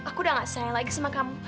aku udah gak sayang lagi sama kamu